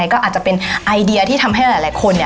ก็อาจจะเป็นไอเดียที่ทำให้หลายคน